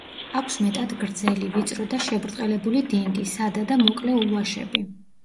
აქვს მეტად გრძელი, ვიწრო და შებრტყელებული დინგი, სადა და მოკლე ულვაშები.